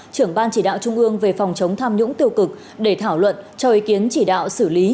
trưởng ban chỉ đạo trung ương về phòng chống tham nhũng tiêu cực để thảo luận cho ý kiến chỉ đạo xử lý